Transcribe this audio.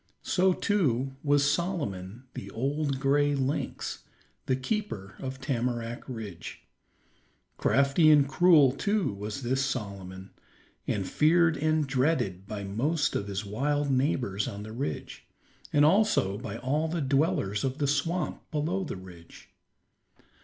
So too was Solomon, the old gray lynx, the keeper of Tamarack Ridge. Crafty and cruel too was this Solomon, and feared and dreaded by most of his wild neighbors on the ridge, and also by all the dwellers of the swamp below the ridge.